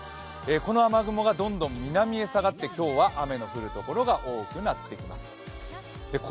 この雨具もがどんどん南へ下がって、今日は雨の降るところが多くなっています。